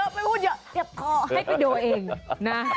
ไม่พูดเยอะ